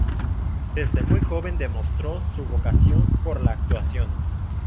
Desde muy joven demostró su vocación por la actuación.